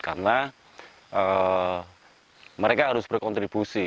karena mereka harus berkontribusi